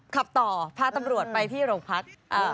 ขับต่อพาตำรวจไปที่โรงพัก